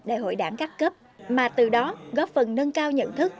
đại hội đảng các cấp mà từ đó góp phần nâng cao nhận thức